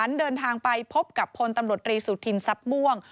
เดินทางไปพบกับพลตำรวจรีสุธินทรัพย์ม่วง